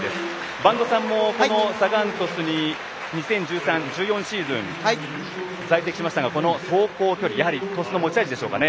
播戸さんもこのサガン鳥栖に２０１３と１４シーズンに在籍しましたが走行距離、鳥栖の持ち味ですかね。